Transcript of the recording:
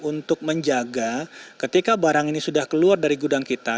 untuk menjaga ketika barang ini sudah keluar dari gudang kita